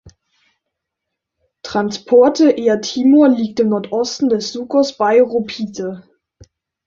Transporte Air Timor liegt im Nordosten des Sucos Bairro Pite.